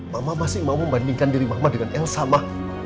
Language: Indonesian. mama masih mau membandingkan diri mama dengan elsa ma